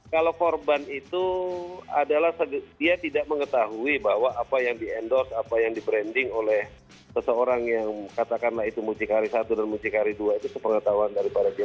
kalau korban itu adalah dia tidak mengetahui bahwa apa yang di endorse apa yang di branding oleh seseorang yang katakanlah itu mucikari satu dan mucikari dua itu sepengetahuan daripada dia